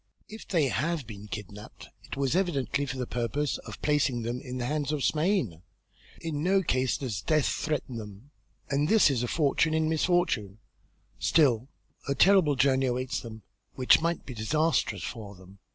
If they have been kidnapped it was evidently for the purpose of placing them in the hands of Smain. In no case does death threaten them. And this is a fortune in misfortune; still a terrible journey awaits them which might be disastrous for them."